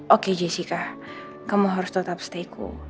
oke jessica kamu harus tetap stay cool